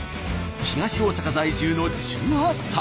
東大阪在住の１８歳。